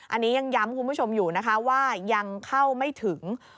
อันนี้ยังย้ำคุณผู้ชมอยู่นะคะว่ายังเข้าไม่ถึง